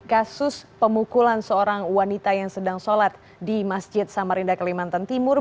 kasus pemukulan seorang wanita yang sedang sholat di masjid samarinda kalimantan timur